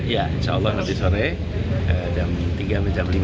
ya insya allah nanti sore jam tiga lima kita ada open house disini